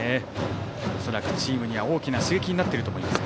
恐らくチームには大きな刺激にはなっていると思います。